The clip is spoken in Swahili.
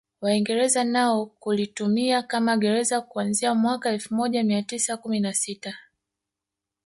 Waingereza nao kulitumia kama gereza kuanzia mwaka elfu moja mia tisa kumi na sita